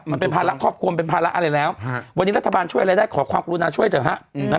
มันเป็นภาระครอบครัวมันเป็นภาระอะไรแล้ววันนี้รัฐบาลช่วยอะไรได้ขอความกรุณาช่วยเถอะฮะ